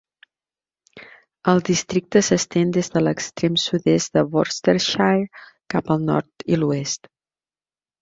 El districte s'estén des de l'extrem sud-est de Worcestershire cap al nord i l'oest.